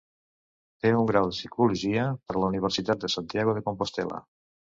Té un grau de psicologia per la universitat de Santiago de Compostel·la.